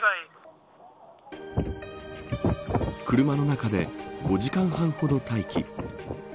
車の中で５時間半ほど待機。